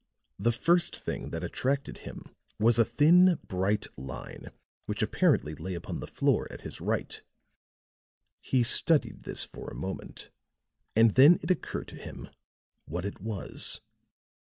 The first thing that attracted him was a thin, bright line which apparently lay upon the floor at his right. He studied this for a moment and then it occurred to him what it was.